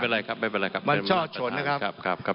ไม่เป็นไรครับไม่เป็นไรครับไม่เป็นไรครับไม่เป็นไรครับ